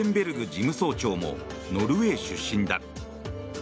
事務総長もノルウェー出身だ。